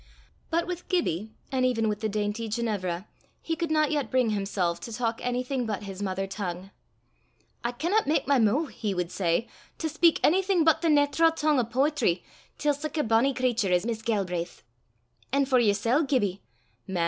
But with Gibbie, and even with the dainty Ginevra, he could not yet bring himself to talk anything but his mother tongue. "I can_not_ mak my moo'," he would say, "to speyk onything but the naitral tongue o' poetry till sic a bonnie cratur as Miss Galbraith; an' for yersel', Gibbie man!